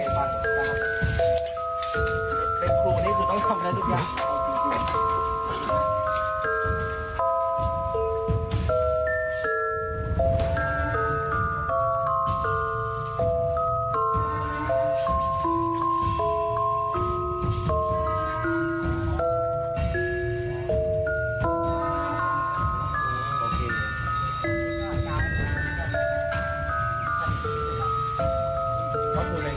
ตอนนี้ควรต้องทำแล้วทุกอย่าง